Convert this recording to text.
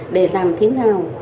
để làm thế nào